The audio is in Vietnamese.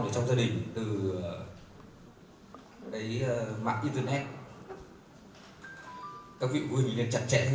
và có một điều nữa rất mong các vị phụ huynh chia sẻ cùng tôi